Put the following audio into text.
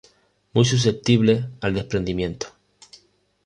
Muy susceptibles al desprendimiento.